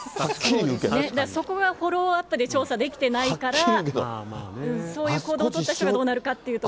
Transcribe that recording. そこがフォローアップで調査できてないからそういう行動を取った人がどうなるかっていうところ。